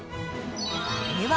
では］